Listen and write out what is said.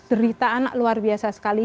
derita anak luar biasa sekali